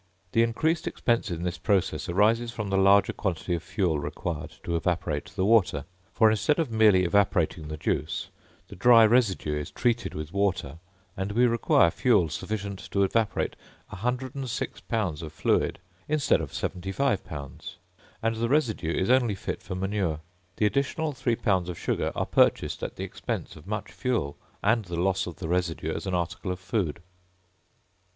The increased expense in this process arises from the larger quantity of fuel required to evaporate the water; for instead of merely evaporating the juice, the dry residue is treated with water, and we require fuel sufficient to evaporate 106 lbs. of fluid instead of 75 lbs., and the residue is only fit for manure. The additional 3 lbs. of sugar are purchased at the expense of much fuel, and the loss of the residue as an article of food.